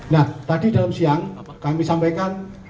nah tadi dalam siang kami sampaikan